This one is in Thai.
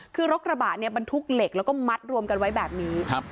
คือรถกระบะเนี่ยบรรทุกเหล็กแล้วก็มัดรวมกันไว้แบบนี้ครับ